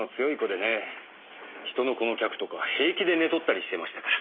人の子の客とか平気で寝取ったりしてましたから。